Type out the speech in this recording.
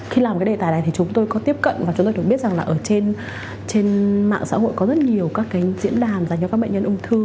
khi làm cái đề tài này thì chúng tôi có tiếp cận và chúng tôi được biết rằng là ở trên mạng xã hội có rất nhiều các cái diễn đàn dành cho các bệnh nhân ung thư